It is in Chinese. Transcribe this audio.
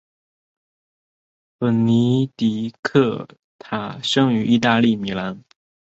本尼迪克塔生于意大利米兰。